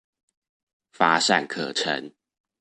乏善可陳